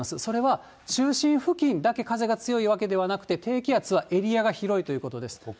それは、中心付近だけ風が強いわけではなくて、低気圧はエリアが広いということです。